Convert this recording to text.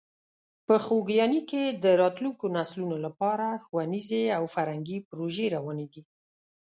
په خوږیاڼي کې د راتلونکو نسلونو لپاره ښوونیزې او فرهنګي پروژې روانې دي.